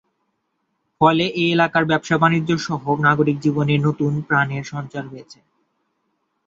ফলে এ এলাকার ব্যবসা-বাণিজ্যসহ নাগরিক জীবনে নতুন প্রাণের সঞ্চার হয়েছে।